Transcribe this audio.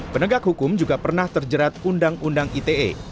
penegak hukum juga pernah terjerat undang undang ite